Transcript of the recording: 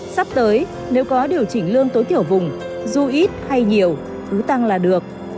sắp tới nếu có điều chỉnh lương tối thiểu vùng dù ít hay nhiều cứ tăng là được